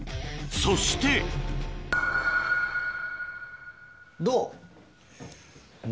そしてどう？